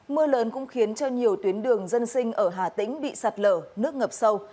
mưa lớn cũng khiến cho nhiều tuyến đường dân sinh ở hà tĩnh bị sạt lở nước ngập sâu